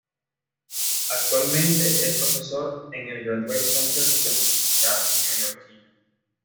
Actualmente, es profesor en el Graduate Center de la universidad neoyorkina.